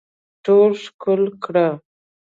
ټول ښکل کړه